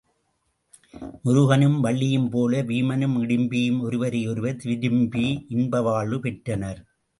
முருகனும் வள்ளியும்போல வீமனும் இடிம்பியும் ஒருவரை ஒருவர் விரும்பி இன்ப வாழ்வு பெற்றனர்.